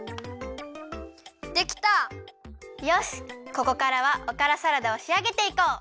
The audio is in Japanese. ここからはおからサラダをしあげていこう。